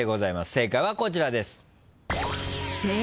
正解はこちらです。